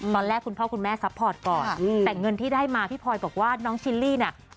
ตอนแรกคุณพ่อคุณแม่ซัพพอร์ตก่อนแต่เงินที่ได้มาพี่พลอยบอกว่าน้องชิลลี่เนี่ย